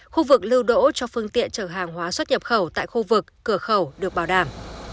khu vực lưu đỗ cho phương tiện chở hàng hóa xuất nhập khẩu tại khu vực cửa khẩu được bảo đảm